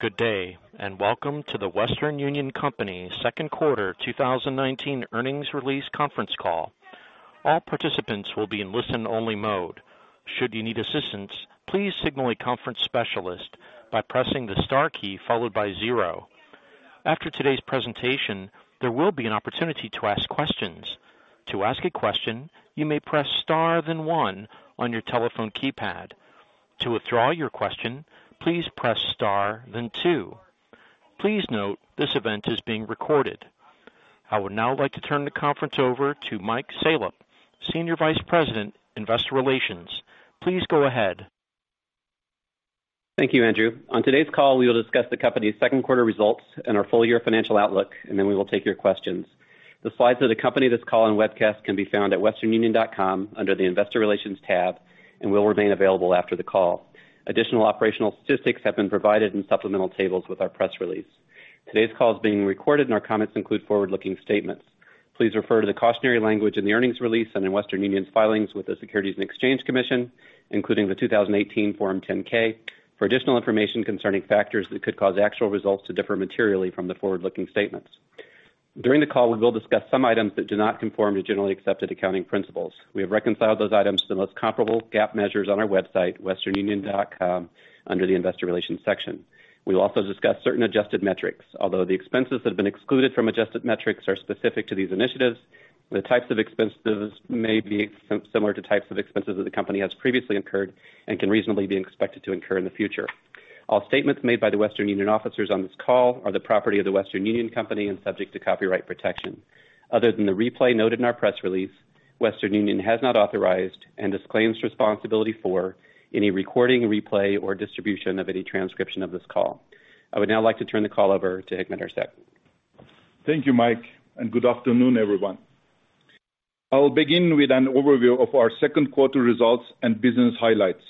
Good day, and welcome to The Western Union Company Second Quarter 2019 Earnings Release Conference Call. All participants will be in listen-only mode. Should you need assistance, please signal a conference specialist by pressing the star key followed by zero. After today's presentation, there will be an opportunity to ask questions. To ask a question, you may press star then one on your telephone keypad. To withdraw your question, please press star then two. Please note this event is being recorded. I would now like to turn the conference over to Mike Salop, Senior Vice President, Investor Relations. Please go ahead. Thank you, Andrew. On today's call, we will discuss the company's second quarter results and our full-year financial outlook, and then we will take your questions. The slides of the company, this call and webcast can be found at westernunion.com under the Investor Relations tab and will remain available after the call. Additional operational statistics have been provided in supplemental tables with our press release. Today's call is being recorded, and our comments include forward-looking statements. Please refer to the cautionary language in the earnings release and in Western Union's filings with the Securities and Exchange Commission, including the 2018 Form 10-K, for additional information concerning factors that could cause actual results to differ materially from the forward-looking statements. During the call, we will discuss some items that do not conform to generally accepted accounting principles. We have reconciled those items to the most comparable GAAP measures on our website, westernunion.com, under the Investor Relations section. We will also discuss certain adjusted metrics. Although the expenses that have been excluded from adjusted metrics are specific to these initiatives, the types of expenses may be similar to types of expenses that the company has previously incurred and can reasonably be expected to incur in the future. All statements made by the Western Union officers on this call are the property of the Western Union Company and subject to copyright protection. Other than the replay noted in our press release, Western Union has not authorized and disclaims responsibility for any recording, replay, or distribution of any transcription of this call. I would now like to turn the call over to Hikmet Ersek. Thank you, Mike, and good afternoon, everyone. I will begin with an overview of our second quarter results and business highlights.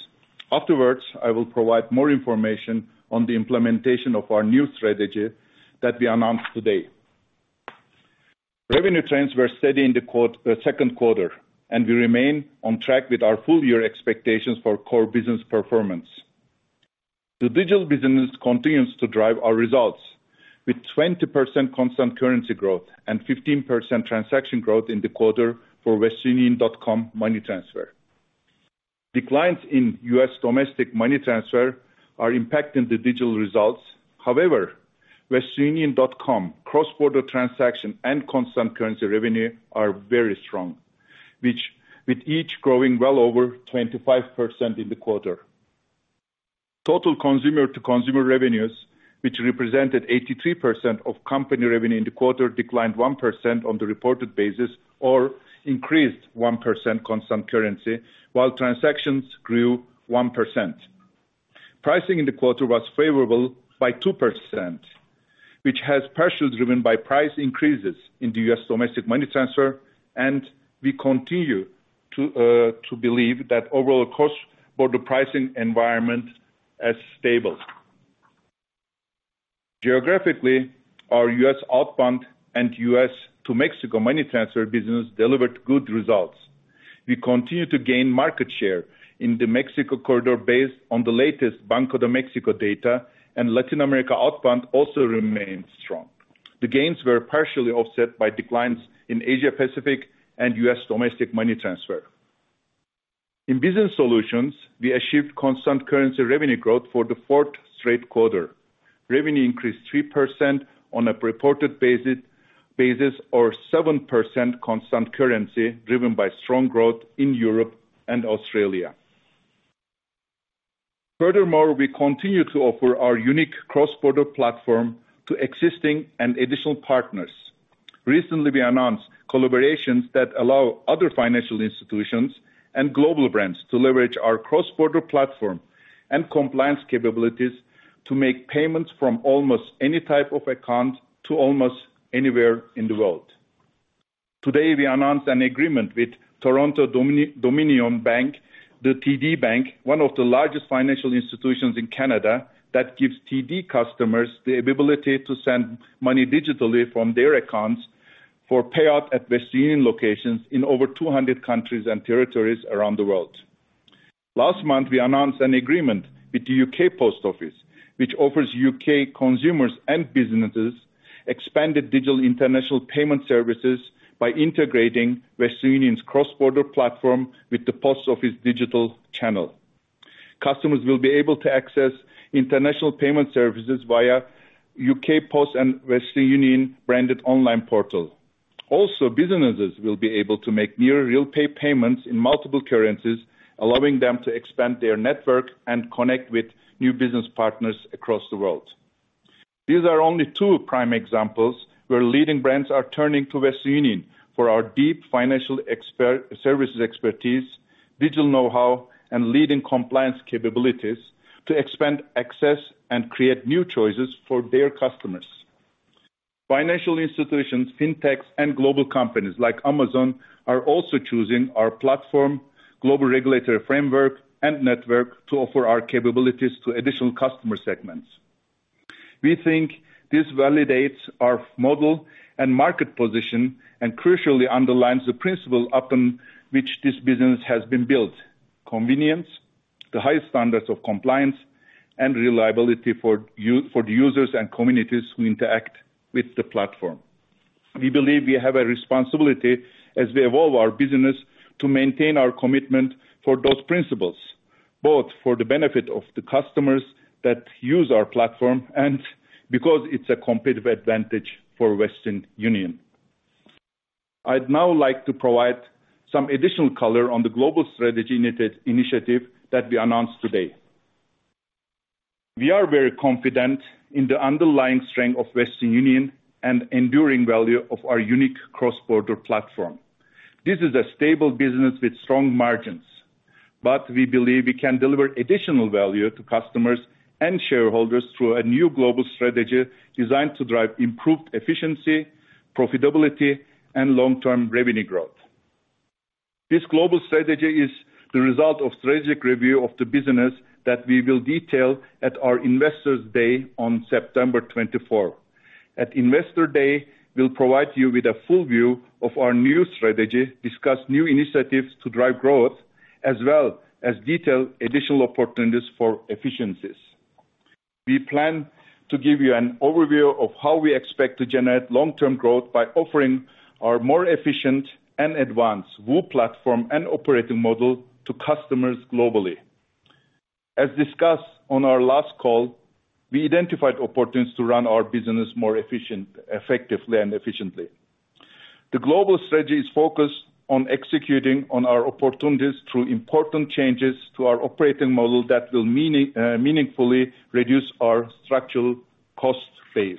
Afterwards, I will provide more information on the implementation of our new strategy that we announced today. Revenue trends were steady in the second quarter, and we remain on track with our full-year expectations for core business performance. The digital business continues to drive our results with 20% constant currency growth and 15% transaction growth in the quarter for westernunion.com money transfer. Declines in U.S. domestic money transfer are impacting the digital results. westernunion.com cross-border transaction and constant currency revenue are very strong, with each growing well over 25% in the quarter. Total consumer-to-consumer revenues, which represented 83% of company revenue in the quarter, declined 1% on the reported basis or increased 1% constant currency, while transactions grew 1%. Pricing in the quarter was favorable by 2%, which was partially driven by price increases in the U.S. domestic money transfer. We continue to believe that overall cross-border pricing environment is stable. Geographically, our U.S. outbound and U.S. to Mexico money transfer business delivered good results. We continue to gain market share in the Mexico corridor based on the latest Banco de México data. Latin America outbound also remains strong. The gains were partially offset by declines in Asia Pacific and U.S. domestic money transfer. In Business Solutions, we achieved constant currency revenue growth for the fourth straight quarter. Revenue increased 3% on a reported basis or 7% constant currency, driven by strong growth in Europe and Australia. We continue to offer our unique cross-border platform to existing and additional partners. Recently, we announced collaborations that allow other financial institutions and global brands to leverage our cross-border platform and compliance capabilities to make payments from almost any type of account to almost anywhere in the world. Today, we announced an agreement with Toronto-Dominion Bank, the TD Bank, one of the largest financial institutions in Canada, that gives TD customers the ability to send money digitally from their accounts for payout at Western Union locations in over 200 countries and territories around the world. Last month, we announced an agreement with the U.K. Post Office, which offers U.K. consumers and businesses expanded digital international payment services by integrating Western Union's cross-border platform with the Post Office digital channel. Customers will be able to access international payment services via U.K. Post and Western Union branded online portal. Businesses will be able to make near real-time payments in multiple currencies, allowing them to expand their network and connect with new business partners across the world. These are only two prime examples where leading brands are turning to Western Union for our deep financial services expertise, digital know-how, and leading compliance capabilities to expand access and create new choices for their customers. Financial institutions, fintechs, and global companies like Amazon are also choosing our platform, global regulatory framework, and network to offer our capabilities to additional customer segments. We think this validates our model and market position, and crucially underlines the principle upon which this business has been built, convenience, the highest standards of compliance, and reliability for the users and communities who interact with the platform. We believe we have a responsibility as we evolve our business to maintain our commitment for those principles, both for the benefit of the customers that use our platform, and because it's a competitive advantage for Western Union. I'd now like to provide some additional color on the Global Strategy Initiative that we announced today. We are very confident in the underlying strength of Western Union and enduring value of our unique cross-border platform. This is a stable business with strong margins, but we believe we can deliver additional value to customers and shareholders through a new Global Strategy designed to drive improved efficiency, profitability, and long-term revenue growth. This Global Strategy is the result of strategic review of the business that we will detail at our Investors Day on September 24. At Investor Day, we'll provide you with a full view of our new strategy, discuss new initiatives to drive growth, as well as detail additional opportunities for efficiencies. We plan to give you an overview of how we expect to generate long-term growth by offering our more efficient and advanced WU platform and operating model to customers globally. As discussed on our last call, we identified opportunities to run our business more effectively and efficiently. The global strategy is focused on executing on our opportunities through important changes to our operating model that will meaningfully reduce our structural cost base.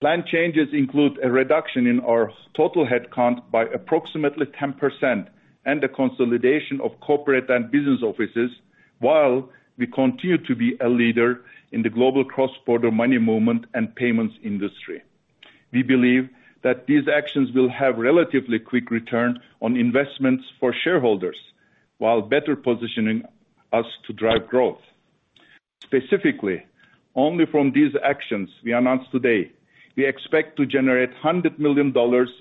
Planned changes include a reduction in our total headcount by approximately 10% and the consolidation of corporate and business offices, while we continue to be a leader in the global cross-border money movement and payments industry. We believe that these actions will have relatively quick return on investments for shareholders while better positioning us to drive growth. Specifically, only from these actions we announced today, we expect to generate $100 million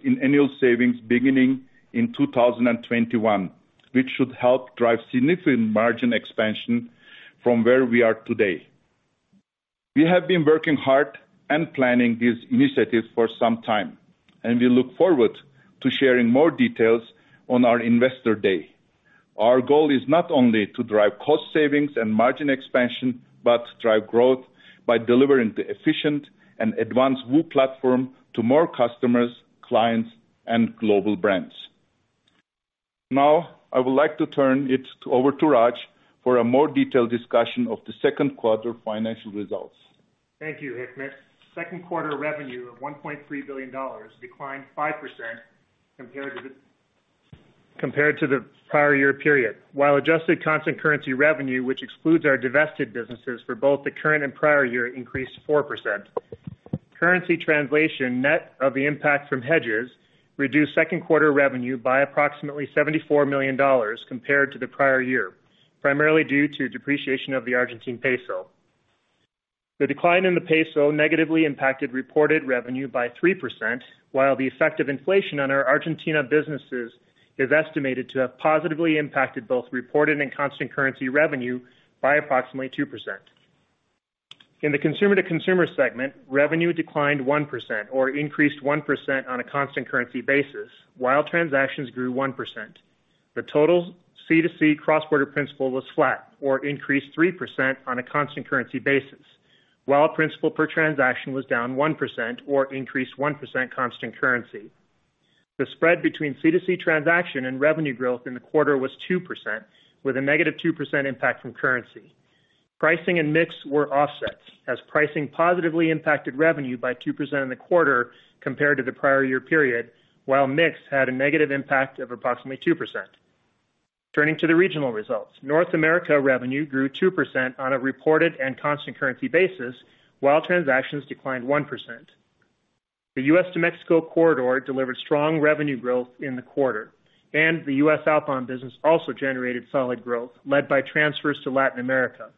in annual savings beginning in 2021, which should help drive significant margin expansion from where we are today. We have been working hard and planning these initiatives for some time, and we look forward to sharing more details on our Investor Day. Our goal is not only to drive cost savings and margin expansion, but to drive growth by delivering the efficient and advanced WU Platform to more customers, clients, and global brands. Now, I would like to turn it over to Raj for a more detailed discussion of the second quarter financial results. Thank you, Hikmet. Second quarter revenue of $1.3 billion declined 5% compared to the prior year period. While adjusted constant currency revenue, which excludes our divested businesses for both the current and prior year increased 4%. Currency translation net of the impact from hedgers reduced second quarter revenue by approximately $74 million compared to the prior year, primarily due to depreciation of the Argentine peso. The decline in the peso negatively impacted reported revenue by 3%, while the effect of inflation on our Argentina businesses is estimated to have positively impacted both reported and constant currency revenue by approximately 2%. In the consumer-to-consumer segment, revenue declined 1% or increased 1% on a constant currency basis, while transactions grew 1%. The total C2C cross-border principal was flat or increased 3% on a constant currency basis, while principal per transaction was down 1% or increased 1% constant currency. The spread between C2C transaction and revenue growth in the quarter was 2%, with a negative 2% impact from currency. Pricing and mix were offsets, as pricing positively impacted revenue by 2% in the quarter compared to the prior year period, while mix had a negative impact of approximately 2%. Turning to the regional results. North America revenue grew 2% on a reported and constant currency basis, while transactions declined 1%. The U.S. to Mexico corridor delivered strong revenue growth in the quarter, and the U.S. outbound business also generated solid growth, led by transfers to Latin America.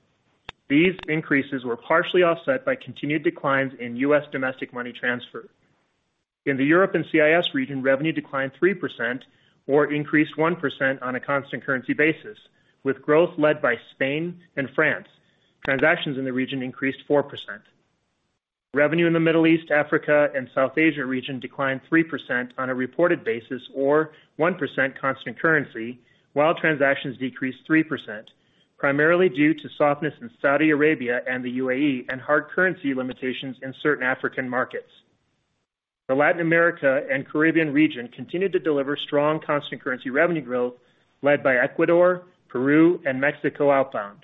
These increases were partially offset by continued declines in U.S. domestic money transfer. In the Europe and CIS region, revenue declined 3% or increased 1% on a constant currency basis, with growth led by Spain and France. Transactions in the region increased 4%. Revenue in the Middle East, Africa, and South Asia region declined 3% on a reported basis or 1% constant currency, while transactions decreased 3%, primarily due to softness in Saudi Arabia and the UAE and hard currency limitations in certain African markets. The Latin America and Caribbean region continued to deliver strong constant currency revenue growth led by Ecuador, Peru, and Mexico outbound.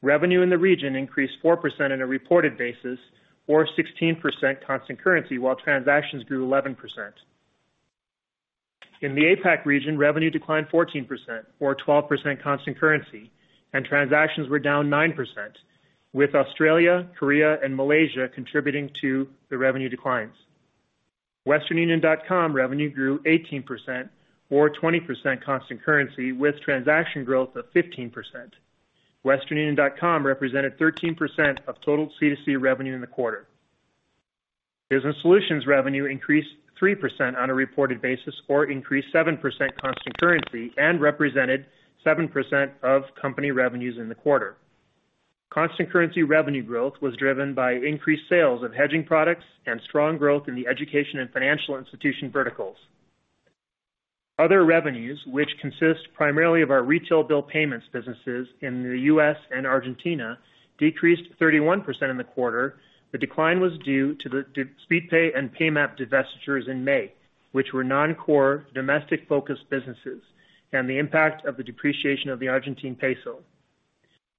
Revenue in the region increased 4% on a reported basis or 16% constant currency while transactions grew 11%. In the APAC region, revenue declined 14% or 12% constant currency and transactions were down 9%, with Australia, Korea, and Malaysia contributing to the revenue declines. WesternUnion.com revenue grew 18% or 20% constant currency with transaction growth of 15%. WesternUnion.com represented 13% of total C2C revenue in the quarter. Business Solutions revenue increased 3% on a reported basis or increased 7% constant currency and represented 7% of company revenues in the quarter. Constant currency revenue growth was driven by increased sales of hedging products and strong growth in the education and financial institution verticals. Other revenues, which consist primarily of our retail bill payments businesses in the U.S. and Argentina, decreased 31% in the quarter. The decline was due to the Speedpay and Paymap divestitures in May, which were non-core domestic-focused businesses, and the impact of the depreciation of the Argentine peso.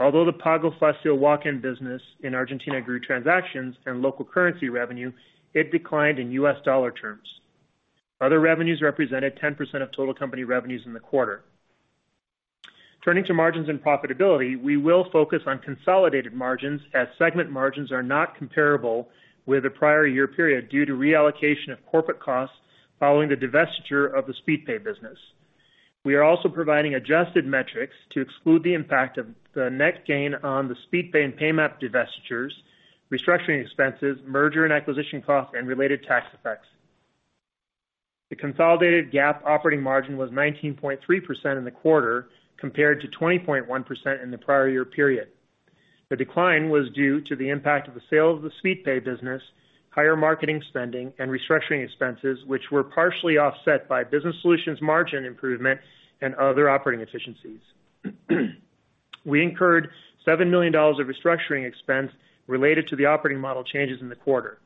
Although the Pago Fácil walk-in business in Argentina grew transactions and local currency revenue, it declined in U.S. dollar terms. Other revenues represented 10% of total company revenues in the quarter. Turning to margins and profitability, we will focus on consolidated margins as segment margins are not comparable with the prior year period due to reallocation of corporate costs following the divestiture of the Speedpay business. We are also providing adjusted metrics to exclude the impact of the net gain on the Speedpay and Paymap divestitures, restructuring expenses, merger and acquisition costs, and related tax effects. The consolidated GAAP operating margin was 19.3% in the quarter, compared to 20.1% in the prior year period. The decline was due to the impact of the sale of the Speedpay business, higher marketing spending, and restructuring expenses, which were partially offset by Business Solutions margin improvement and other operating efficiencies. We incurred $7 million of restructuring expense related to the operating model changes in the quarter.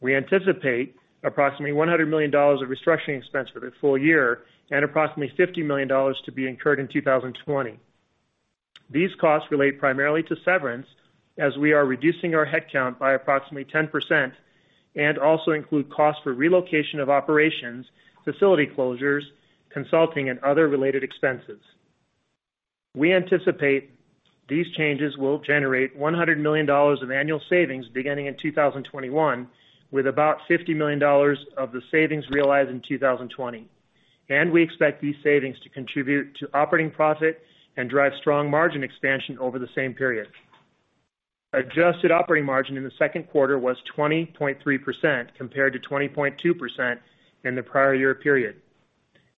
We anticipate $100 million of restructuring expense for the full year and $50 million to be incurred in 2020. These costs relate primarily to severance as we are reducing our headcount by 10% and also include cost for relocation of operations, facility closures, consulting, and other related expenses. We anticipate these changes will generate $100 million of annual savings beginning in 2021, with $50 million of the savings realized in 2020. We expect these savings to contribute to operating profit and drive strong margin expansion over the same period. Adjusted operating margin in the second quarter was 20.3% compared to 20.2% in the prior year period.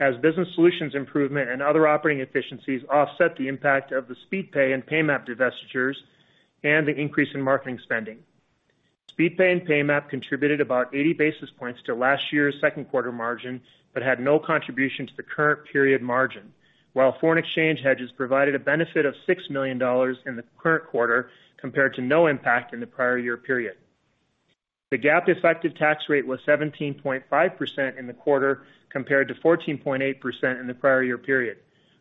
As Business Solutions improvement and other operating efficiencies offset the impact of the Speedpay and Paymap divestitures and the increase in marketing spending. Speedpay and Paymap contributed about 80 basis points to last year's second quarter margin but had no contribution to the current period margin, while foreign exchange hedges provided a benefit of $6 million in the current quarter compared to no impact in the prior year period. The GAAP effective tax rate was 17.5% in the quarter compared to 14.8% in the prior year period,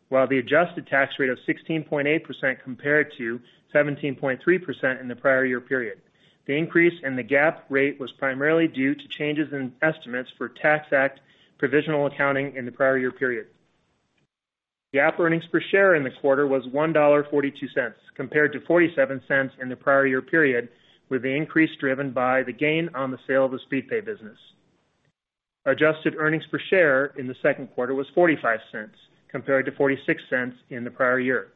while the adjusted tax rate of 16.8% compared to 17.3% in the prior year period. The increase in the GAAP rate was primarily due to changes in estimates for Tax Act provisional accounting in the prior year period. GAAP earnings per share in the quarter was $1.42 compared to $0.47 in the prior year period, with the increase driven by the gain on the sale of the Speedpay business. Adjusted earnings per share in the second quarter was $0.45 compared to $0.46 in the prior year.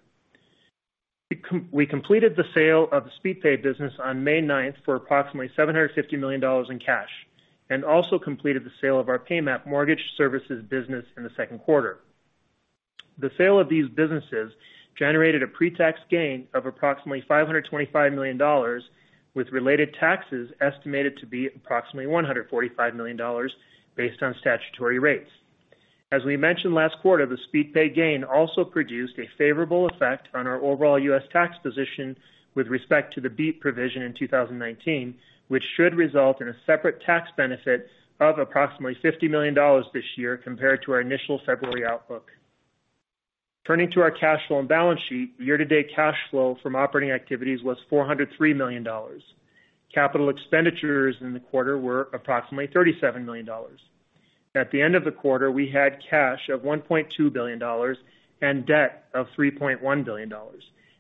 We completed the sale of the Speedpay business on May 9th for approximately $750 million in cash and also completed the sale of our Paymap mortgage services business in the second quarter. The sale of these businesses generated a pre-tax gain of approximately $525 million with related taxes estimated to be approximately $145 million based on statutory rates. As we mentioned last quarter, the Speedpay gain also produced a favorable effect on our overall U.S. tax position with respect to the BEAT provision in 2019, which should result in a separate tax benefit of approximately $50 million this year compared to our initial February outlook. Turning to our cash flow and balance sheet, year-to-date cash flow from operating activities was $403 million. Capital expenditures in the quarter were approximately $37 million. At the end of the quarter, we had cash of $1.2 billion and debt of $3.1 billion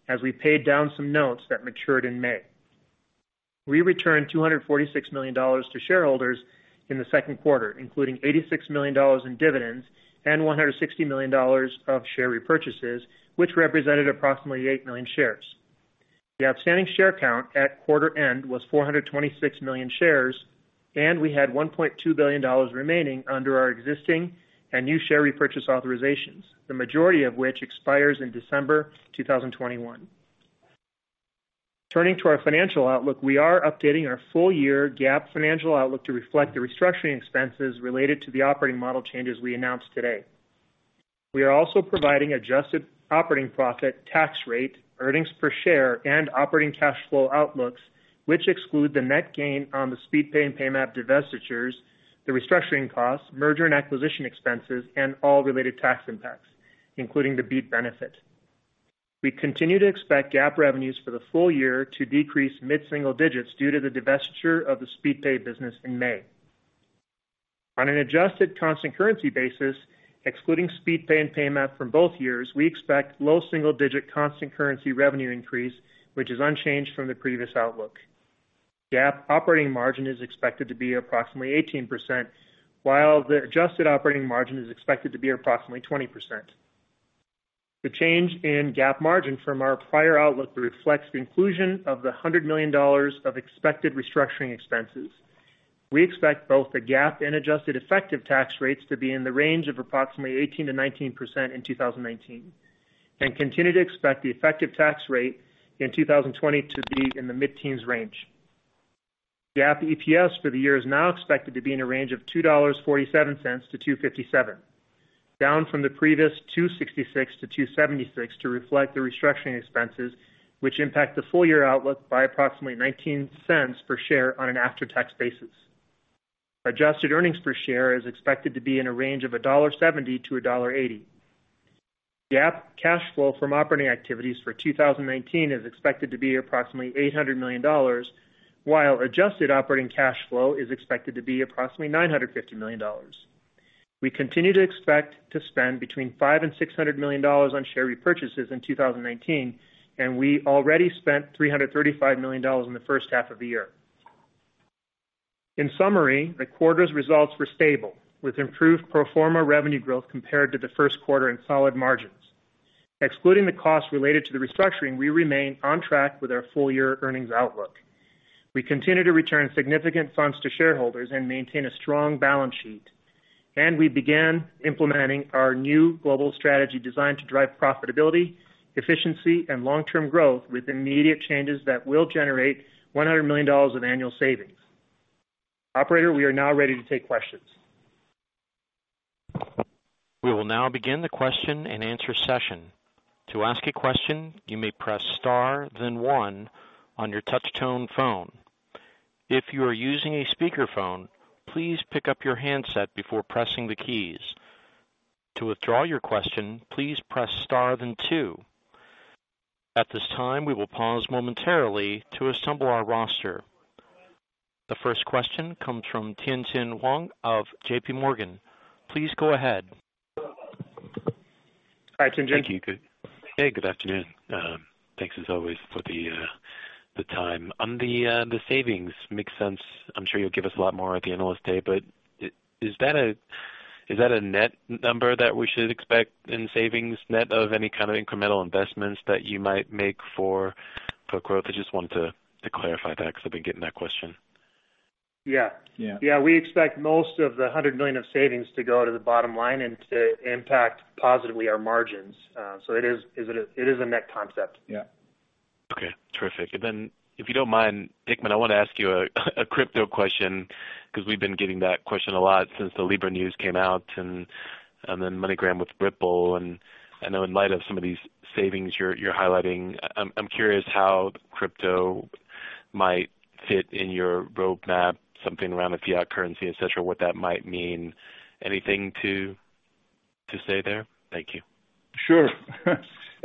as we paid down some notes that matured in May. We returned $246 million to shareholders in the second quarter, including $86 million in dividends and $160 million of share repurchases, which represented approximately eight million shares. The outstanding share count at quarter end was 426 million shares, and we had $1.2 billion remaining under our existing and new share repurchase authorizations, the majority of which expires in December 2021. Turning to our financial outlook, we are updating our full-year GAAP financial outlook to reflect the restructuring expenses related to the operating model changes we announced today. We are also providing adjusted operating profit tax rate, earnings per share, and operating cash flow outlooks, which exclude the net gain on the Speedpay and Paymap divestitures, the restructuring costs, merger and acquisition expenses, and all related tax impacts, including the BEAT benefit. We continue to expect GAAP revenues for the full year to decrease mid-single digits due to the divestiture of the Speedpay business in May. On an adjusted constant currency basis, excluding Speedpay and Paymap from both years, we expect low single-digit constant currency revenue increase, which is unchanged from the previous outlook. GAAP operating margin is expected to be approximately 18%, while the adjusted operating margin is expected to be approximately 20%. The change in GAAP margin from our prior outlook reflects the inclusion of the $100 million of expected restructuring expenses. We expect both the GAAP and adjusted effective tax rates to be in the range of approximately 18%-19% in 2019, and continue to expect the effective tax rate in 2020 to be in the mid-teens range. GAAP EPS for the year is now expected to be in a range of $2.47-$2.57, down from the previous $2.66-$2.76 to reflect the restructuring expenses, which impact the full-year outlook by approximately $0.19 per share on an after-tax basis. Adjusted earnings per share is expected to be in a range of $1.70-$1.80. GAAP cash flow from operating activities for 2019 is expected to be approximately $800 million, while adjusted operating cash flow is expected to be approximately $950 million. We continue to expect to spend between $500 million and $600 million on share repurchases in 2019, and we already spent $335 million in the first half of the year. In summary, the quarter's results were stable, with improved pro forma revenue growth compared to the first quarter and solid margins. Excluding the costs related to the restructuring, we remain on track with our full-year earnings outlook. We continue to return significant funds to shareholders and maintain a strong balance sheet. We began implementing our new global strategy designed to drive profitability, efficiency, and long-term growth with immediate changes that will generate $100 million in annual savings. Operator, we are now ready to take questions. We will now begin the question and answer session. To ask a question, you may press star then one on your touch tone phone. If you are using a speakerphone, please pick up your handset before pressing the keys. To withdraw your question, please press star then two. At this time, we will pause momentarily to assemble our roster. The first question comes from Tien-Tsin Huang of J.P. Morgan. Please go ahead. Hi, Tien-Tsin. Thank you. Hey, good afternoon. Thanks as always for the time. On the savings, makes sense. I'm sure you'll give us a lot more at the Analyst Day. Is that a net number that we should expect in savings net of any kind of incremental investments that you might make for growth? I just wanted to clarify that because I've been getting that question. Yeah. Yeah. Yeah. We expect most of the $100 million of savings to go to the bottom line and to impact positively our margins. It is a net concept. Yeah. Okay, terrific. If you don't mind, Hikmet, I want to ask you a crypto question, because we've been getting that question a lot since the Libra news came out and then MoneyGram with Ripple. I know in light of some of these savings you're highlighting, I'm curious how crypto might fit in your roadmap, something around the fiat currency, et cetera, what that might mean. Anything to say there? Thank you. Sure.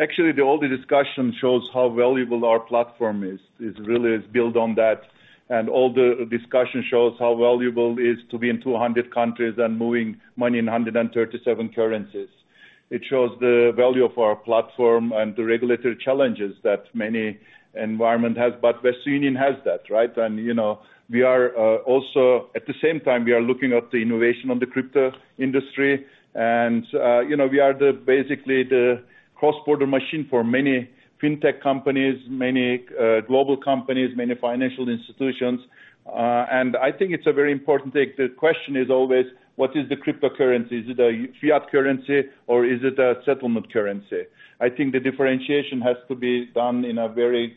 Actually, all the discussion shows how valuable our platform is. It really is built on that and all the discussion shows how valuable it is to be in 200 countries and moving money in 137 currencies. It shows the value of our platform and the regulatory challenges that many environment has. Western Union has that, right? At the same time, we are looking at the innovation on the crypto industry. We are basically the cross-border machine for many fintech companies, many global companies, many financial institutions. I think it's a very important thing. The question is always what is the cryptocurrency? Is it a fiat currency or is it a settlement currency? I think the differentiation has to be done in a very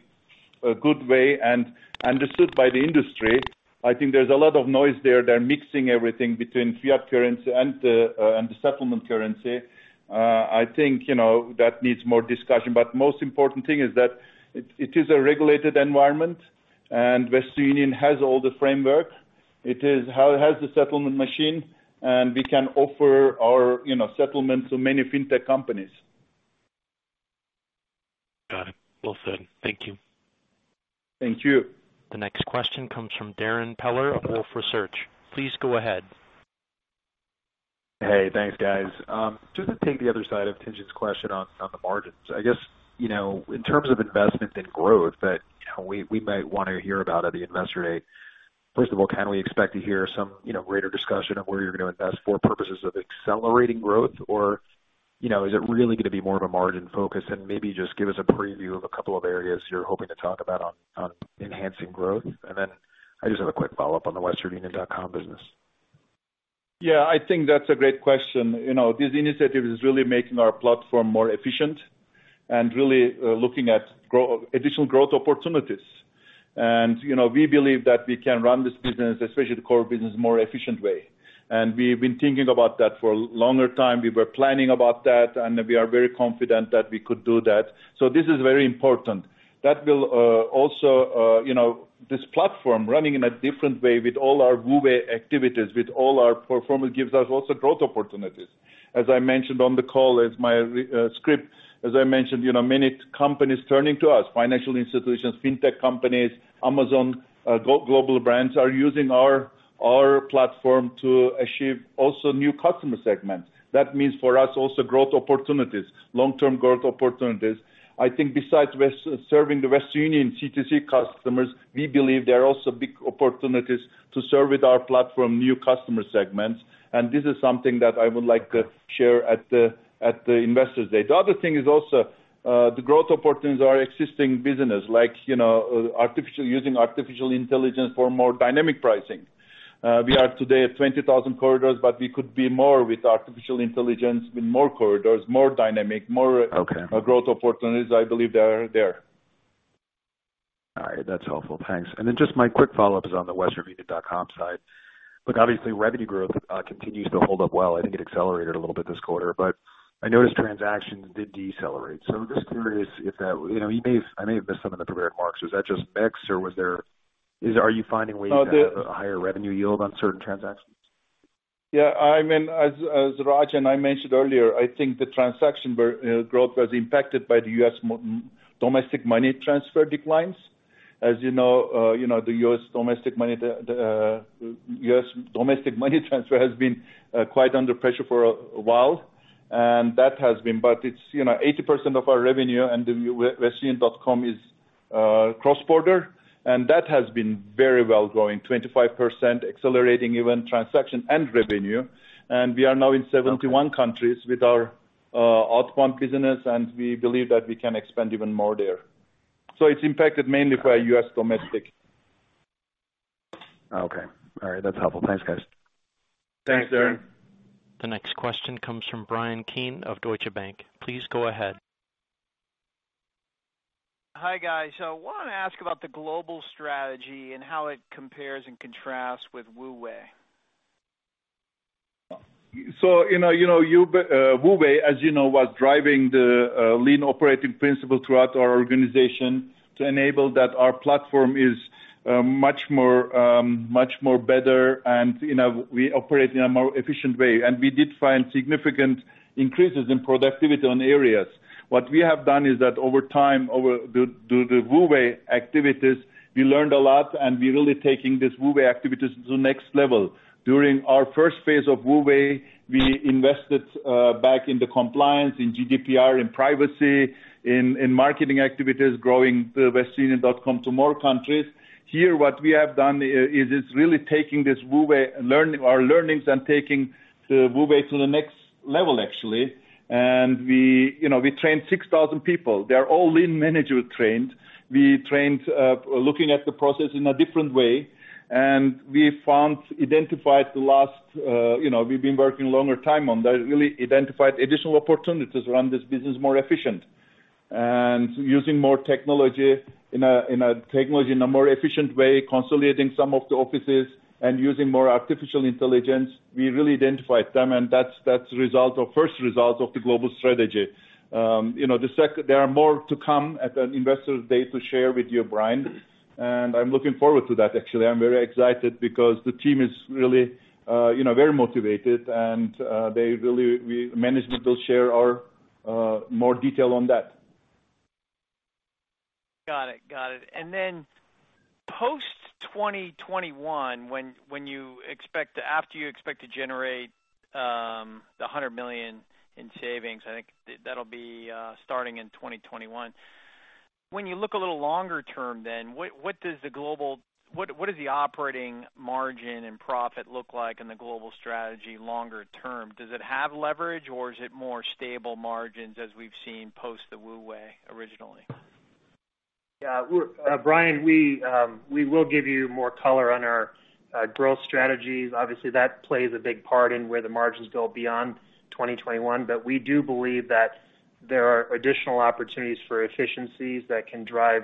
good way and understood by the industry. I think there's a lot of noise there. They're mixing everything between fiat currency and the settlement currency. I think that needs more discussion. Most important thing is that it is a regulated environment and Western Union has all the framework. It has the settlement machine, and we can offer our settlement to many fintech companies. Got it. Well said. Thank you. Thank you. The next question comes from Darrin Peller of Wolfe Research. Please go ahead. Hey, thanks guys. Just to take the other side of Tien-Tsin's question on the margins. I guess, in terms of investment and growth that we might want to hear about at the Investor Day. First of all, can we expect to hear some greater discussion of where you're going to invest for purposes of accelerating growth, or is it really going to be more of a margin focus and maybe just give us a preview of a couple of areas you're hoping to talk about on enhancing growth? I just have a quick follow-up on the westernunion.com business. Yeah, I think that's a great question. This initiative is really making our platform more efficient and really looking at additional growth opportunities. We believe that we can run this business, especially the core business, more efficient way. We've been thinking about that for a longer time. We were planning about that, and we are very confident that we could do that. This is very important. This platform running in a different way with all our WU Way activities, with all our pro forma, gives us also growth opportunities. As I mentioned on the call, as my script, as I mentioned, many companies turning to us, financial institutions, fintech companies, Amazon, global brands are using our platform to achieve also new customer segments. That means for us also growth opportunities, long-term growth opportunities. I think besides serving Western Union C2C customers, we believe there are also big opportunities to serve with our platform new customer segments, and this is something that I would like to share at the Investors Day. The other thing is also the growth opportunities of our existing business like using artificial intelligence for more dynamic pricing. We are today at 20,000 corridors, but we could be more with artificial intelligence, with more corridors, more dynamic. Okay growth opportunities I believe are there. All right. That's helpful. Thanks. Then just my quick follow-up is on the WesternUnion.com side. Look, obviously, revenue growth continues to hold up well. I think it accelerated a little bit this quarter, but I noticed transactions did decelerate. I'm just curious if that, I may have missed some of the prepared remarks. Was that just mix or are you finding ways to have a higher revenue yield on certain transactions? Yeah. As Raj and I mentioned earlier, I think the transaction growth was impacted by the U.S. domestic money transfer declines. As you know the U.S. domestic money transfer has been quite under pressure for a while, it's 80% of our revenue and westernunion.com is cross-border, and that has been very well growing, 25% accelerating even transaction and revenue. We are now in 71 countries with our Outbound business, and we believe that we can expand even more there. It's impacted mainly by U.S. domestic. Okay. All right. That's helpful. Thanks, guys. Thanks, Darrin. The next question comes from Bryan Keane of Deutsche Bank. Please go ahead. Hi, guys. I want to ask about the global strategy and how it compares and contrasts with WU Way. WU Way, as you know, was driving the lean operating principle throughout our organization to enable that our platform is much more better, and we operate in a more efficient way. We did find significant increases in productivity on areas. What we have done is that over time, over the WU Way activities, we learned a lot, and we're really taking this WU Way activities to the next level. During our first phase of WU Way, we invested back into compliance, in GDPR, in privacy, in marketing activities, growing the westernunion.com to more countries. Here what we have done is it's really taking our learnings and taking the WU Way to the next level actually. We trained 6,000 people. They're all lean manager trained. We trained looking at the process in a different way. We found, we've been working longer time on that, really identified additional opportunities to run this business more efficient, using more technology in a more efficient way, consolidating some of the offices, and using more artificial intelligence. We really identified them. That's first result of the global strategy. There are more to come at the Investors Day to share with you, Bryan. I'm looking forward to that actually. I'm very excited because the team is really very motivated and management will share more detail on that. Got it. Post 2021, after you expect to generate the $100 million in savings, I think that'll be starting in 2021. When you look a little longer term then, what is the operating margin and profit look like in the global strategy longer term? Does it have leverage or is it more stable margins as we've seen post the WU Way originally? Yeah. Bryan, we will give you more color on our growth strategies. Obviously, that plays a big part in where the margins go beyond 2021, but we do believe that there are additional opportunities for efficiencies that can drive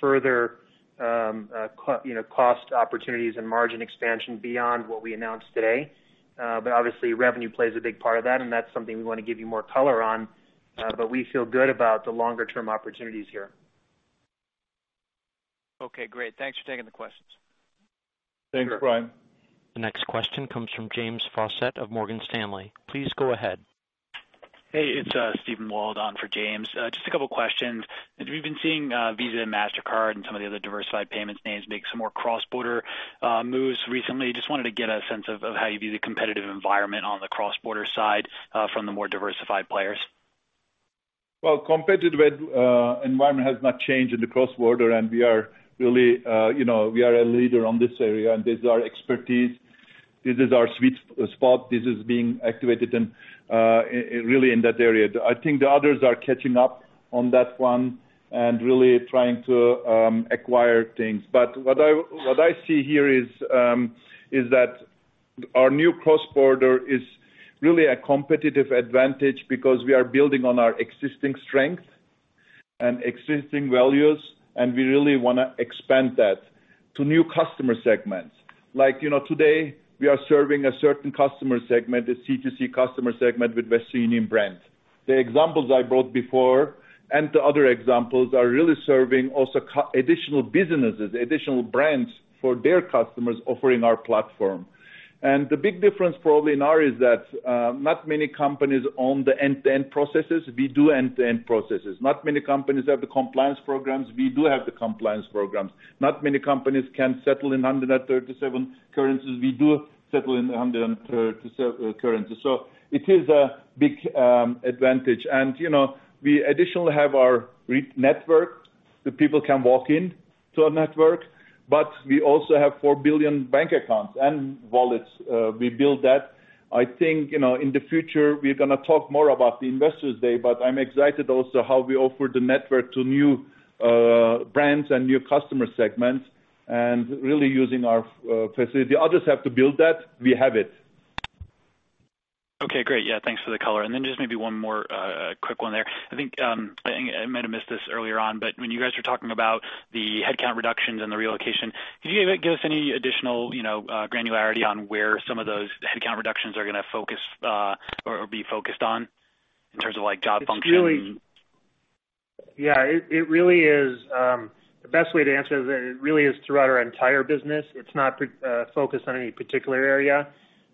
further cost opportunities and margin expansion beyond what we announced today. Obviously, revenue plays a big part of that, and that's something we want to give you more color on, but we feel good about the longer-term opportunities here. Okay, great. Thanks for taking the questions. Thanks, Bryan. The next question comes from James Faucette of Morgan Stanley. Please go ahead. Hey, it's Steven Wald on for James. Just a couple of questions. We've been seeing Visa and Mastercard and some of the other diversified payments names make some more cross-border moves recently. Just wanted to get a sense of how you view the competitive environment on the cross-border side from the more diversified players. Well, competitive environment has not changed in the cross-border, and we are a leader on this area, and this is our expertise. This is our sweet spot. This is being activated really in that area. I think the others are catching up on that one and really trying to acquire things. What I see here is that our new cross-border is really a competitive advantage because we are building on our existing strength and existing values, and we really want to expand that to new customer segments. Like today we are serving a certain customer segment, the C2C customer segment with Western Union brand. The examples I brought before and the other examples are really serving also additional businesses, additional brands for their customers offering our platform. The big difference probably in our is that not many companies own the end-to-end processes. We do end-to-end processes. Not many companies have the compliance programs. We do have the compliance programs. Not many companies can settle in 137 currencies. We do settle in 137 currencies. It is a big advantage. We additionally have our network that people can walk in to our network, but we also have four billion bank accounts and wallets. We build that. I think, in the future, we're going to talk more about the Investors Day, but I'm excited also how we offer the network to new brands and new customer segments, and really using our facility. Others have to build that, we have it. Okay, great. Yeah, thanks for the color. Just maybe one more quick one there. I think I might have missed this earlier on, when you guys were talking about the headcount reductions and the relocation, can you give us any additional granularity on where some of those headcount reductions are going to focus or be focused on in terms of job functions? Yeah. The best way to answer that, it really is throughout our entire business. It's not focused on any particular area.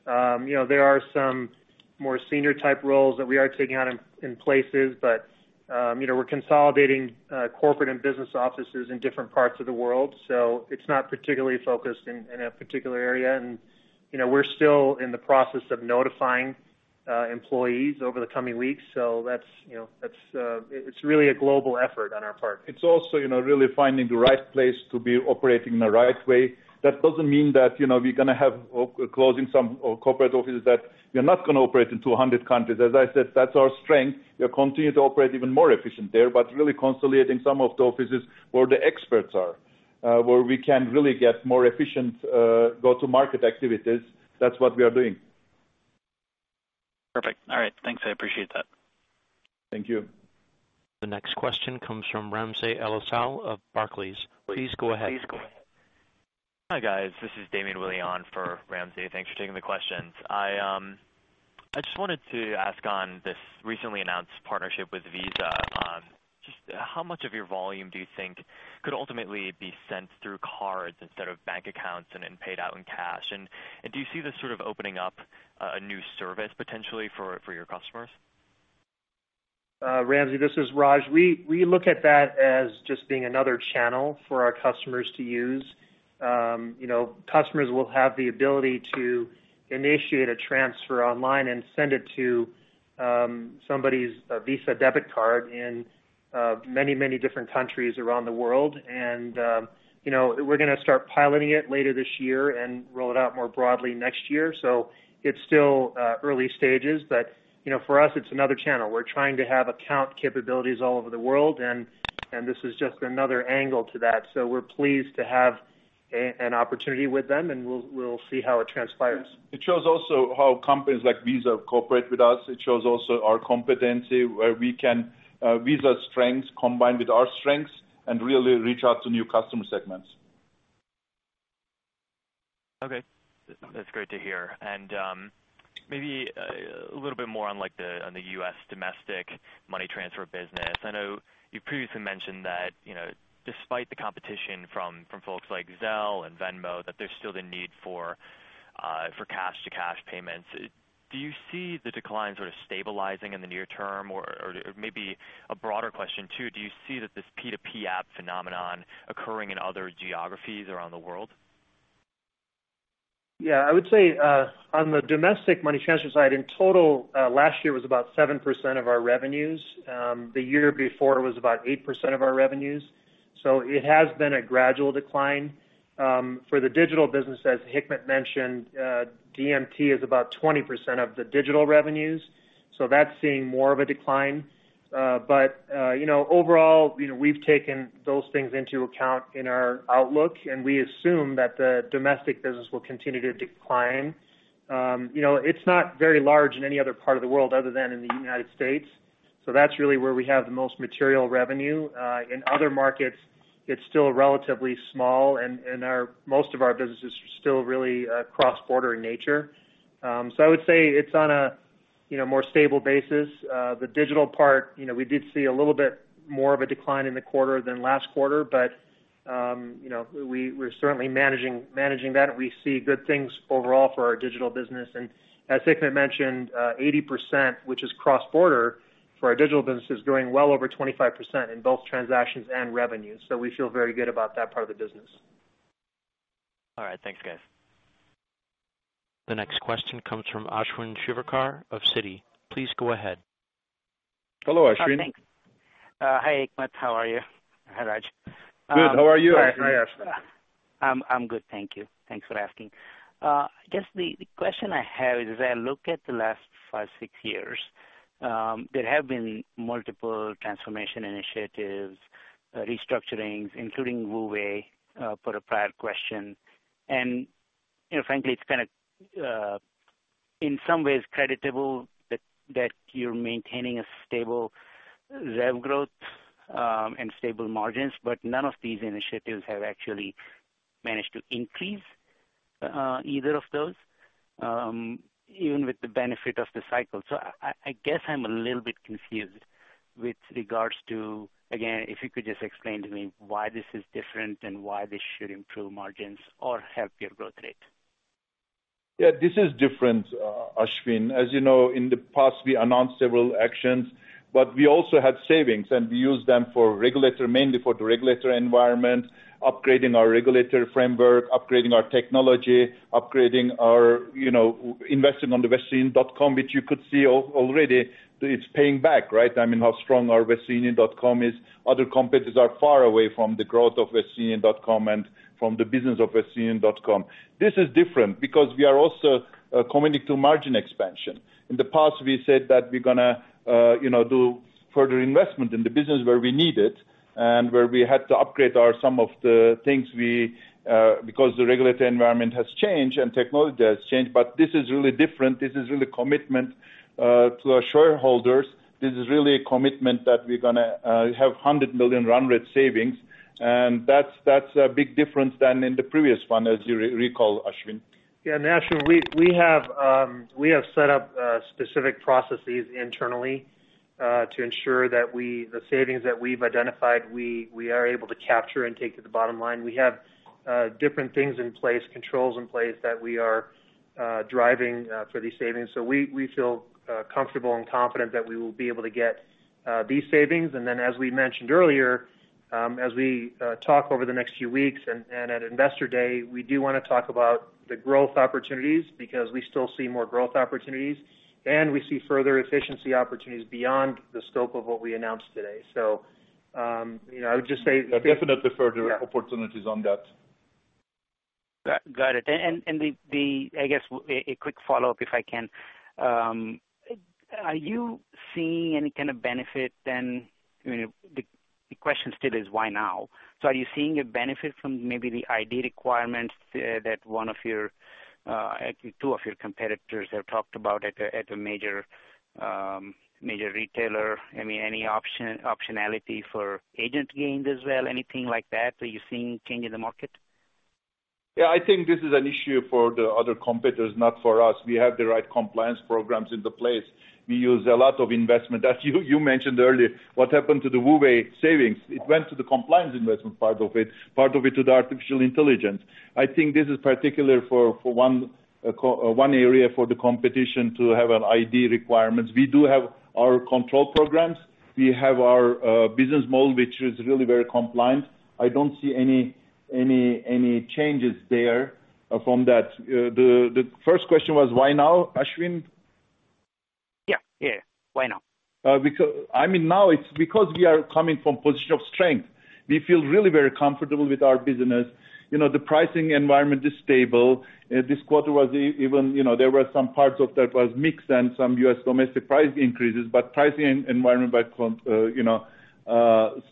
There are some more senior type roles that we are taking on in places. We're consolidating corporate and business offices in different parts of the world, so it's not particularly focused in a particular area. We're still in the process of notifying employees over the coming weeks. It's really a global effort on our part. It's also really finding the right place to be operating in the right way. That doesn't mean that we're going to have closing some corporate offices, that we are not going to operate in 200 countries. As I said, that's our strength. We are continuing to operate even more efficient there, but really consolidating some of the offices where the experts are where we can really get more efficient go-to-market activities. That's what we are doing. Perfect. All right. Thanks. I appreciate that. Thank you. The next question comes from Ramsey El-Assal of Barclays. Please go ahead. Hi, guys. This is Damian Wille on for Ramsey. Thanks for taking the questions. I just wanted to ask on this recently announced partnership with Visa. Just how much of your volume do you think could ultimately be sent through cards instead of bank accounts and then paid out in cash? Do you see this sort of opening up a new service potentially for your customers? Ramsey, this is Raj. We look at that as just being another channel for our customers to use. Customers will have the ability to initiate a transfer online and send it to somebody's Visa debit card in many different countries around the world. We're going to start piloting it later this year and roll it out more broadly next year. It's still early stages, but for us, it's another channel. We're trying to have account capabilities all over the world, and this is just another angle to that. We're pleased to have an opportunity with them, and we'll see how it transpires. It shows also how companies like Visa cooperate with us. It shows also our competency where Visa's strengths combine with our strengths and really reach out to new customer segments. Okay. That's great to hear. Maybe a little bit more on the U.S. domestic money transfer business. I know you previously mentioned that despite the competition from folks like Zelle and Venmo, that there's still the need for cash-to-cash payments. Do you see the decline sort of stabilizing in the near term? Or maybe a broader question too, do you see that this P2P app phenomenon occurring in other geographies around the world? Yeah, I would say on the domestic money transfer side in total, last year was about 7% of our revenues. The year before it was about 8% of our revenues. It has been a gradual decline. For the digital business, as Hikmet mentioned, DMT is about 20% of the digital revenues, so that's seeing more of a decline. Overall, we've taken those things into account in our outlook, and we assume that the domestic business will continue to decline. It's not very large in any other part of the world other than in the U.S. That's really where we have the most material revenue. In other markets, it's still relatively small and most of our businesses are still really cross-border in nature. I would say it's on a more stable basis. The digital part we did see a little bit more of a decline in the quarter than last quarter, but we're certainly managing that, and we see good things overall for our digital business. As Hikmet mentioned, 80%, which is cross-border for our digital business, is growing well over 25% in both transactions and revenues. We feel very good about that part of the business. All right. Thanks, guys. The next question comes from Ashwin Shirvaikar of Citi. Please go ahead. Hello, Ashwin. Oh, thanks. Hi Hikmet, how are you? Hi, Raj. Good. How are you, Ashwin? I'm good, thank you. Thanks for asking. The question I have is as I look at the last five, six years there have been multiple transformation initiatives, restructurings, including WU Way for the prior question. Frankly, it's in some ways creditable that you're maintaining a stable rev growth and stable margins, but none of these initiatives have actually managed to increase Either of those, even with the benefit of the cycle. I guess I'm a little bit confused with regards to, again, if you could just explain to me why this is different and why this should improve margins or help your growth rate. Yeah. This is different, Ashwin. As you know, in the past, we announced several actions, but we also had savings, and we used them mainly for the regulatory environment, upgrading our regulatory framework, upgrading our technology, investing on the WesternUnion.com, which you could see already it's paying back, right? I mean, how strong our WesternUnion.com is. Other competitors are far away from the growth of WesternUnion.com and from the business of WesternUnion.com. This is different because we are also committing to margin expansion. In the past, we said that we're going to do further investment in the business where we need it and where we had to upgrade some of the things because the regulatory environment has changed and technology has changed, but this is really different. This is really commitment to our shareholders. This is really a commitment that we're going to have $100 million run rate savings, and that's a big difference than in the previous one, as you recall, Ashwin. Yeah, Ashwin, we have set up specific processes internally, to ensure that the savings that we've identified, we are able to capture and take to the bottom line. We have different things in place, controls in place that we are driving for these savings. We feel comfortable and confident that we will be able to get these savings. As we mentioned earlier, as we talk over the next few weeks and at Investor Day, we do wanna talk about the growth opportunities because we still see more growth opportunities, and we see further efficiency opportunities beyond the scope of what we announced today. I would just say- There are definitely further opportunities on that. Got it. I guess a quick follow-up if I can. Are you seeing any kind of benefit then, the question still is why now? Are you seeing a benefit from maybe the ID requirements that two of your competitors have talked about at a major retailer? I mean, any optionality for agent gains as well, anything like that? Are you seeing change in the market? Yeah, I think this is an issue for the other competitors, not for us. We have the right compliance programs into place. We use a lot of investment. As you mentioned earlier, what happened to the WU Way savings? It went to the compliance investment part of it, part of it to the artificial intelligence. I think this is particular for one area for the competition to have an ID requirement. We do have our control programs. We have our business model, which is really very compliant. I don't see any changes there from that. The first question was why now, Ashwin? Yeah. Why now? I mean, now it's because we are coming from position of strength. We feel really very comfortable with our business. The pricing environment is stable. This quarter there were some parts of that was mixed and some U.S. domestic price increases. pricing environment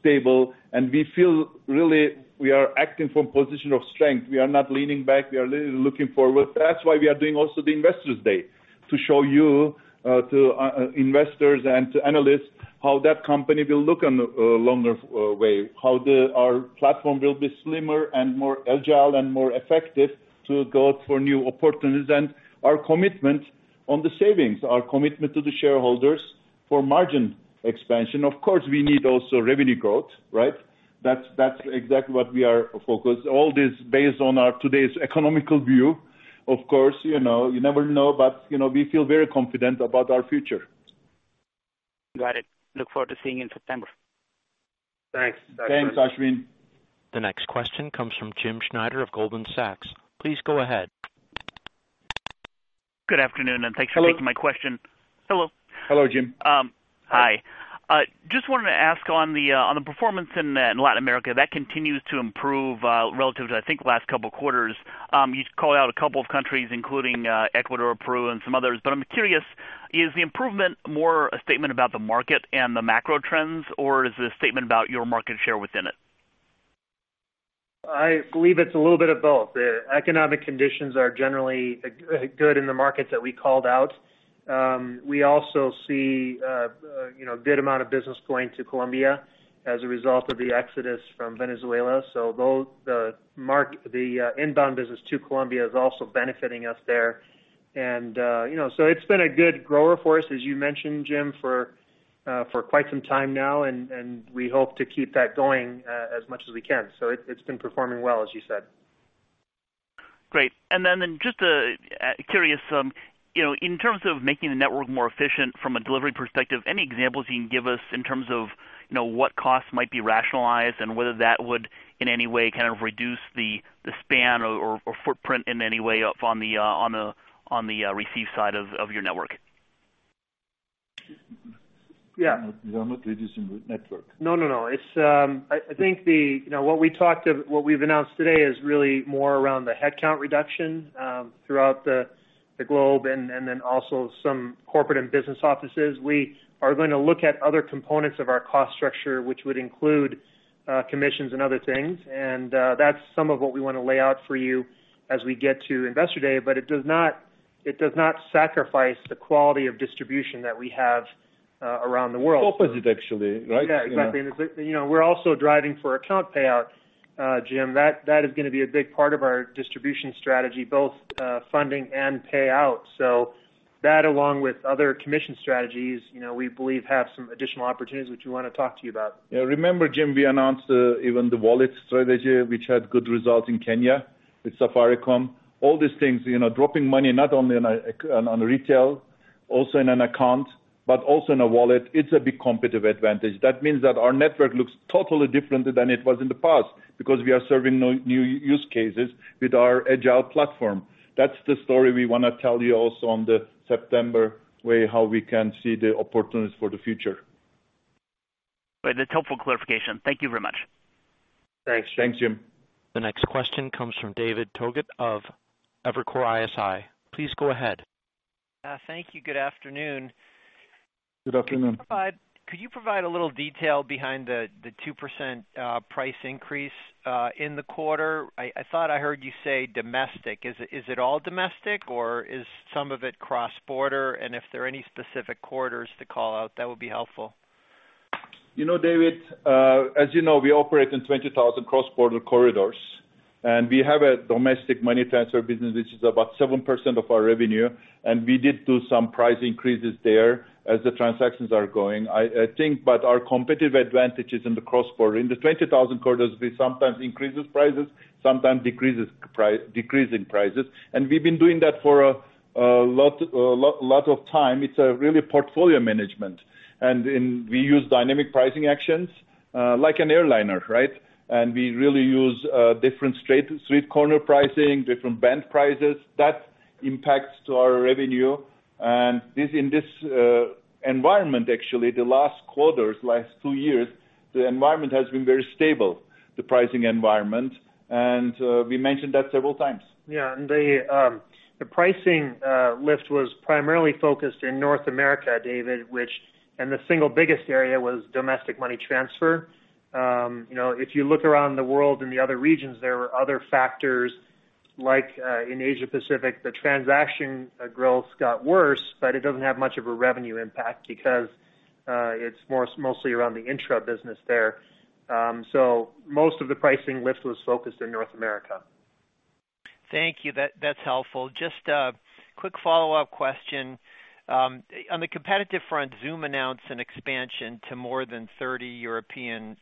stable. We feel really we are acting from position of strength. We are not leaning back, we are really looking forward. That's why we are doing also the Investors Day, to show you, to investors and to analysts how that company will look on a longer way, how our platform will be slimmer and more agile and more effective to go for new opportunities. Our commitment on the savings, our commitment to the shareholders for margin expansion. Of course, we need also revenue growth, right? That's exactly what we are focused. All this based on our today's economic view. Of course, you never know, but we feel very confident about our future. Got it. Look forward to seeing you in September. Thanks. Thanks, Ashwin. The next question comes from James Schneider of Goldman Sachs. Please go ahead. Good afternoon. Hello taking my question. Hello. Hello, Jim. Hi. Just wanted to ask on the performance in Latin America, that continues to improve relative to I think last couple of quarters. You called out a couple of countries, including Ecuador, Peru, and some others. I'm curious, is the improvement more a statement about the market and the macro trends, or is this a statement about your market share within it? I believe it's a little bit of both. Economic conditions are generally good in the markets that we called out. We also see a good amount of business going to Colombia as a result of the exodus from Venezuela. The inbound business to Colombia is also benefiting us there. It's been a good grower for us, as you mentioned, Jim, for quite some time now, and we hope to keep that going as much as we can. It's been performing well, as you said. Great. Just curious, in terms of making the network more efficient from a delivery perspective, any examples you can give us in terms of what costs might be rationalized and whether that would in any way kind of reduce the span or footprint in any way on the receive side of your network? Yeah. We are not reducing the network. No. I think what we've announced today is really more around the headcount reduction throughout the globe, then also some corporate and business offices. We are going to look at other components of our cost structure, which would include commissions and other things. That's some of what we want to lay out for you as we get to Investor Day, but it does not sacrifice the quality of distribution that we have around the world. It's the opposite, actually. Right? Yeah, exactly. We're also driving for account payout, Jim. That is going to be a big part of our distribution strategy, both funding and payout. That along with other commission strategies, we believe have some additional opportunities which we want to talk to you about. Remember, Jim, we announced even the wallet strategy, which had good results in Kenya with Safaricom. All these things, dropping money not only on retail, also in an account, but also in a wallet. It's a big competitive advantage. That means that our network looks totally different than it was in the past because we are serving new use cases with our agile platform. That's the story we want to tell you also on the WU Way, how we can see the opportunities for the future. That's helpful clarification. Thank you very much. Thanks. Thanks, Jim. The next question comes from David Togut of Evercore ISI. Please go ahead. Thank you. Good afternoon. Good afternoon. Could you provide a little detail behind the 2% price increase in the quarter? I thought I heard you say domestic. Is it all domestic or is some of it cross-border? If there are any specific corridors to call out, that would be helpful. David, as you know, we operate in 20,000 cross-border corridors. We have a domestic money transfer business which is about 7% of our revenue, and we did do some price increases there as the transactions are going. I think our competitive advantage is in the cross-border. In the 20,000 corridors, we sometimes increases prices, sometimes decreasing prices. We've been doing that for a lot of time. It's a really portfolio management. We use dynamic pricing actions like an airliner, right? We really use different street corner pricing, different band prices that impacts to our revenue. In this environment, actually, the last quarters, last two years, the environment has been very stable, the pricing environment. We mentioned that several times. The pricing lift was primarily focused in North America, David, and the single biggest area was domestic money transfer. If you look around the world in the other regions, there were other factors like in Asia Pacific, the transaction growth got worse, but it doesn't have much of a revenue impact because it's mostly around the intra business there. Most of the pricing lift was focused in North America. Thank you. That's helpful. Just a quick follow-up question. On the competitive front, Xoom announced an expansion to more than 30 European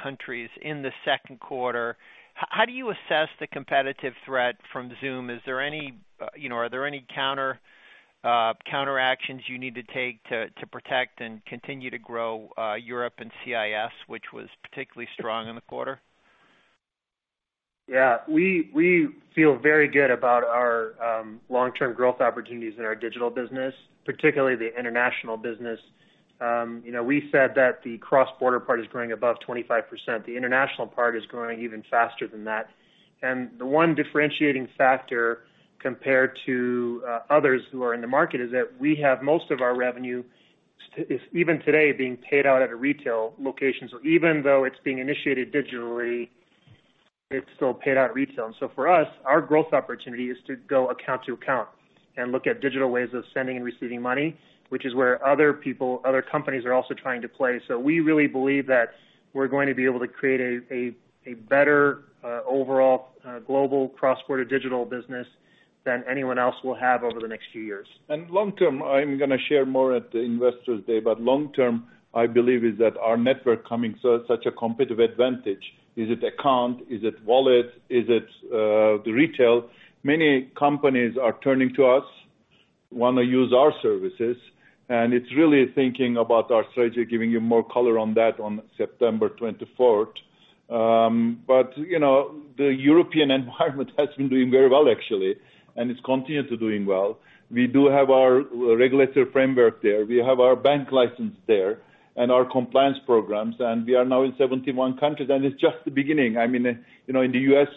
countries in the second quarter. How do you assess the competitive threat from Xoom? Are there any counteractions you need to take to protect and continue to grow Europe and CIS, which was particularly strong in the quarter? Yeah. We feel very good about our long-term growth opportunities in our digital business, particularly the international business. We said that the cross-border part is growing above 25%. The international part is growing even faster than that. The one differentiating factor compared to others who are in the market is that we have most of our revenue, even today, being paid out at a retail location. Even though it's being initiated digitally, it's still paid out retail. For us, our growth opportunity is to go account to account and look at digital ways of sending and receiving money, which is where other companies are also trying to play. We really believe that we're going to be able to create a better overall global cross-border digital business than anyone else will have over the next few years. Long term, I'm going to share more at the Investors Day, long term, I believe is that our network coming such a competitive advantage. Is it account? Is it wallet? Is it the retail? Many companies are turning to us, want to use our services, and it's really thinking about our strategy, giving you more color on that on September 24th. The European environment has been doing very well, actually, and it's continued to doing well. We do have our regulatory framework there. We have our bank license there and our compliance programs, and we are now in 71 countries, and it's just the beginning. In the U.S.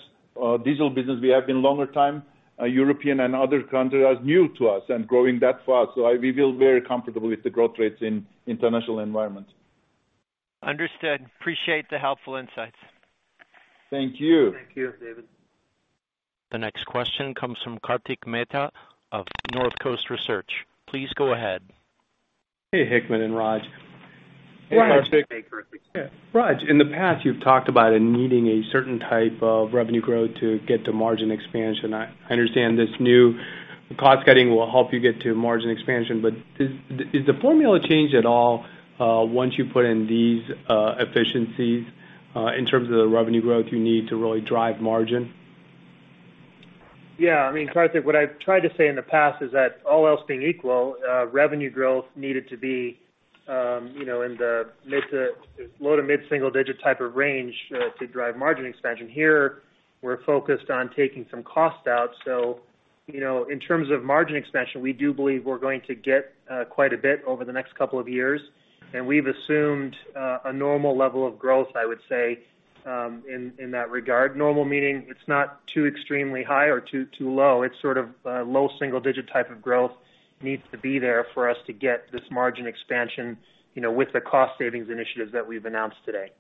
digital business, we have been longer time. European and other countries are new to us and growing that fast. We feel very comfortable with the growth rates in international environments. Understood. Appreciate the helpful insights. Thank you. Thank you, David. The next question comes from Kartik Mehta of Northcoast Research. Please go ahead. Hey, Hikmet and Raj. Hey, Kartik. Hey, Kartik. Raj, in the past, you've talked about needing a certain type of revenue growth to get to margin expansion. I understand this new cost-cutting will help you get to margin expansion. Is the formula changed at all once you put in these efficiencies in terms of the revenue growth you need to really drive margin? Yeah. Kartik, what I've tried to say in the past is that all else being equal, revenue growth needed to be in the low to mid-single digit type of range to drive margin expansion. Here, we're focused on taking some costs out. In terms of margin expansion, we do believe we're going to get quite a bit over the next couple of years, and we've assumed a normal level of growth, I would say, in that regard. Normal meaning it's not too extremely high or too low. It's sort of low single digit type of growth needs to be there for us to get this margin expansion with the cost savings initiatives that we've announced today.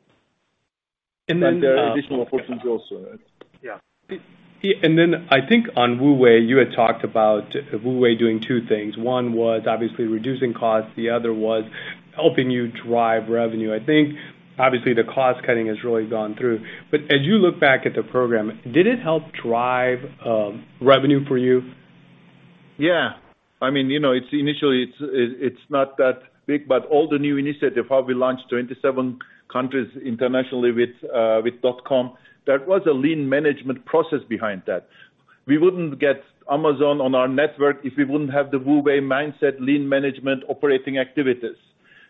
There are additional opportunities also, right? Yeah. I think on WU Way, you had talked about WU Way doing two things. One was obviously reducing costs, the other was helping you drive revenue. I think obviously the cost-cutting has really gone through. As you look back at the program, did it help drive revenue for you? Yeah. Initially it's not that big. All the new initiatives, how we launched 27 countries internationally with .com, there was a lean management process behind that. We wouldn't get Amazon on our network if we wouldn't have the WU Way mindset, lean management operating activities.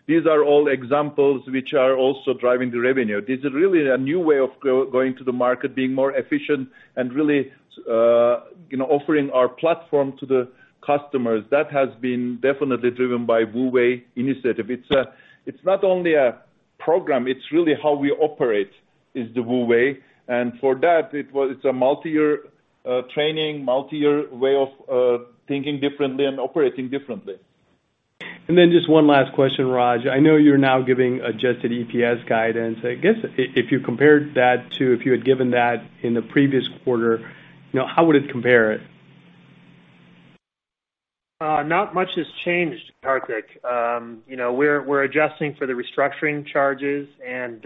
These are all examples which are also driving the revenue. This is really a new way of going to the market, being more efficient and really offering our platform to the customers. That has been definitely driven by WU Way Initiative. It's not only a program, it's really how we operate is the WU Way. For that, it's a multi-year training, multi-year way of thinking differently and operating differently. Just one last question, Raj. I know you're now giving adjusted EPS guidance. I guess if you compared that to if you had given that in the previous quarter, how would it compare? Not much has changed, Kartik. We're adjusting for the restructuring charges and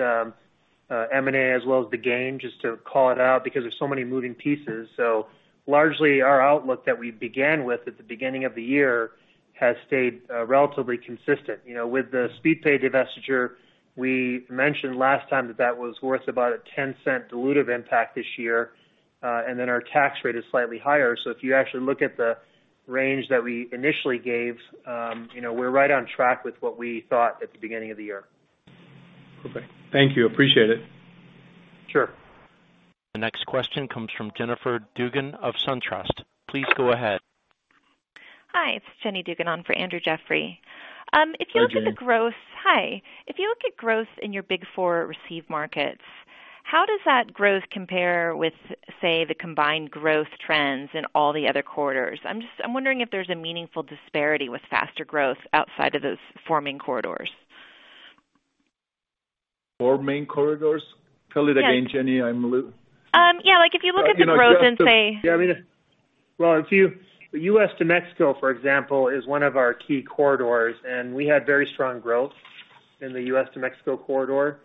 M&A as well as the gain, just to call it out because there's so many moving pieces. Largely our outlook that we began with at the beginning of the year has stayed relatively consistent. With the Speedpay divestiture, we mentioned last time that that was worth about a $0.10 dilutive impact this year. Then our tax rate is slightly higher. If you actually look at the range that we initially gave, we're right on track with what we thought at the beginning of the year. Okay. Thank you. Appreciate it. Sure. The next question comes from Jennifer Dugan of SunTrust. Please go ahead. Hi, it's Jennifer Dugan on for Andrew Jeffrey. Hi, Jenny. Hi. If you look at growth in your big 4 receive markets, how does that growth compare with, say, the combined growth trends in all the other corridors? I'm wondering if there's a meaningful disparity with faster growth outside of those 4 main corridors. Four main corridors? Tell it again, Jenny. I'm a little- Yeah, if you look at the growth in. Well, U.S. to Mexico, for example, is one of our key corridors, and we had very strong growth in the U.S. to Mexico corridor.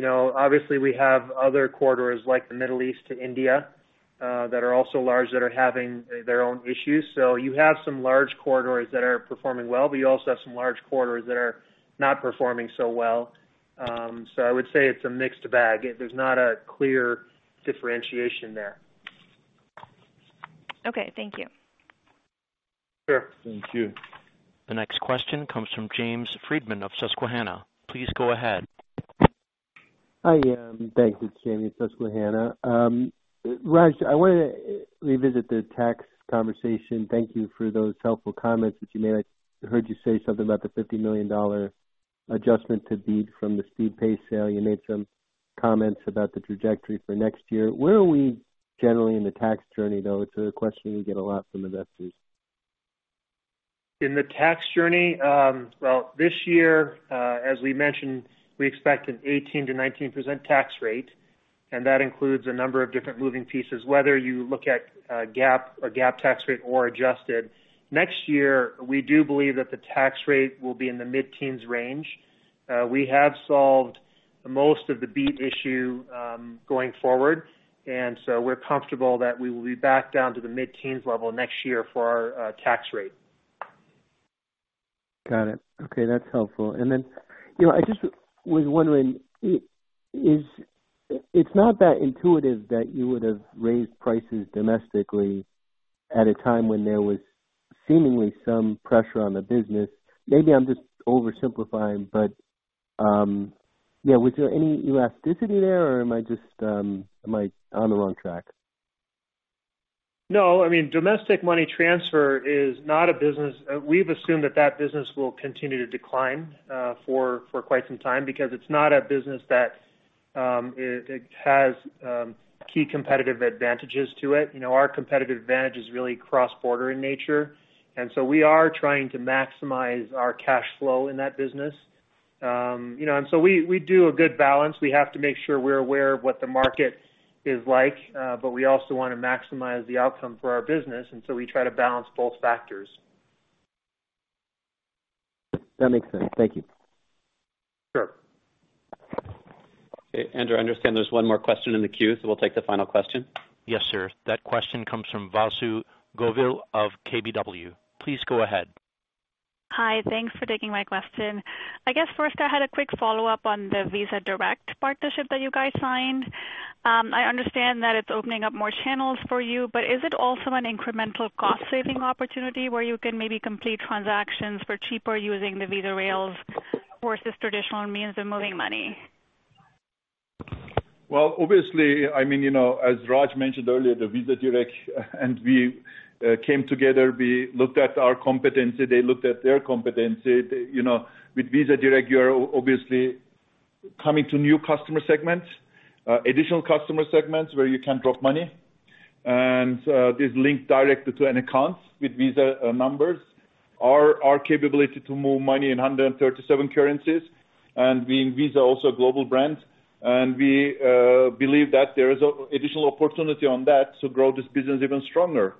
Obviously we have other corridors like the Middle East to India that are also large that are having their own issues. You have some large corridors that are performing well, but you also have some large corridors that are not performing so well. I would say it's a mixed bag. There's not a clear differentiation there. Okay. Thank you. Sure. Thank you. The next question comes from James Friedman of Susquehanna. Please go ahead. Hi. Thanks. It's Jamie at Susquehanna. Raj, I want to revisit the tax conversation. Thank you for those helpful comments that you made. I heard you say something about the $50 million adjustment to BEAT from the Speedpay sale. You made some comments about the trajectory for next year. Where are we generally in the tax journey, though? It's a question we get a lot from investors. In the tax journey? Well, this year as we mentioned, we expect an 18%-19% tax rate, and that includes a number of different moving pieces, whether you look at GAAP tax rate or adjusted. Next year, we do believe that the tax rate will be in the mid-teens range. We have solved most of the BEAT issue going forward, and so we're comfortable that we will be back down to the mid-teens level next year for our tax rate. Got it. Okay, that's helpful. I just was wondering, it's not that intuitive that you would have raised prices domestically at a time when there was seemingly some pressure on the business. Maybe I'm just oversimplifying, but was there any elasticity there, or am I on the wrong track? No. Domestic money transfer is not a business. We've assumed that that business will continue to decline for quite some time because it's not a business that has key competitive advantages to it. Our competitive advantage is really cross-border in nature. We are trying to maximize our cash flow in that business. We do a good balance. We have to make sure we're aware of what the market is like but we also want to maximize the outcome for our business. We try to balance both factors. That makes sense. Thank you. Sure. Okay. Andrew, I understand there's one more question in the queue, so we'll take the final question. Yes, sir. That question comes from Vasu Govil of KBW. Please go ahead. Hi. Thanks for taking my question. I guess first I had a quick follow-up on the Visa Direct partnership that you guys signed. I understand that it's opening up more channels for you, is it also an incremental cost-saving opportunity where you can maybe complete transactions for cheaper using the Visa rails versus traditional means of moving money? Obviously, as Raj mentioned earlier, the Visa Direct and we came together, we looked at our competency, they looked at their competency. With Visa Direct, you're obviously coming to new customer segments, additional customer segments where you can drop money, and this link directly to an account with Visa numbers. Our capability to move money in 137 currencies, being Visa also a global brand, we believe that there is additional opportunity on that to grow this business even stronger.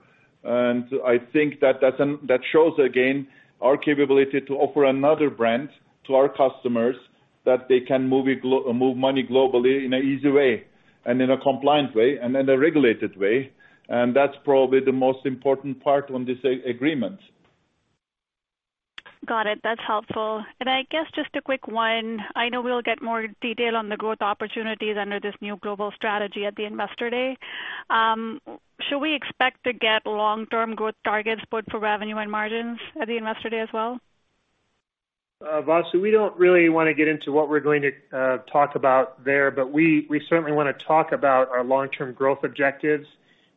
I think that shows again our capability to offer another brand to our customers that they can move money globally in an easy way, in a compliant way, in a regulated way, and that's probably the most important part on this agreement. Got it. That's helpful. I guess just a quick one. I know we'll get more detail on the growth opportunities under this new global strategy at the Investor Day. Should we expect to get long-term growth targets, both for revenue and margins at the Investor Day as well? Vasu, we don't really want to get into what we're going to talk about there, but we certainly want to talk about our long-term growth objectives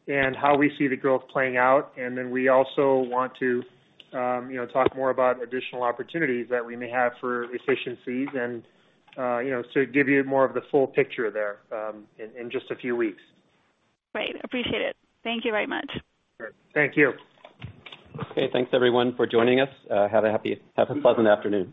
and how we see the growth playing out, and then we also want to talk more about additional opportunities that we may have for efficiencies and to give you more of the full picture there in just a few weeks. Great. Appreciate it. Thank you very much. Great. Thank you. Okay, thanks everyone for joining us. Have a pleasant afternoon.